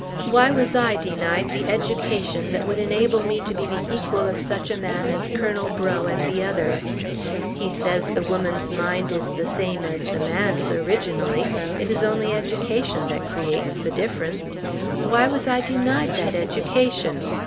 Why was I denied the education that would enable me to be the equal of such a man as Colonel Breaux and the others? He says the woman's mind is the same as the man's, originally; it is only education that creates the difference. Why was I denied that education?